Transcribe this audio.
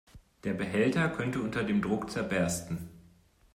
Der Behälter könnte unter dem Druck zerbersten.